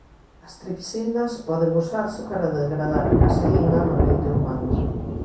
As tripsinas poden usarse para degradar a caseína no leite humano.